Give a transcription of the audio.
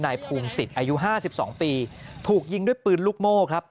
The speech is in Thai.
นายภูมิศิษย์อายุ๕๒ปีถูกยิงด้วยปืนลูกโม่ครับ